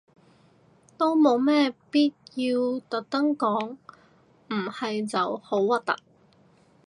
都冇咩必要特登講，唔係就好突兀